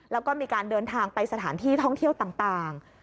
แล้วก็มีการเดินทางไปสถานที่ท่องเที่ยวต่าง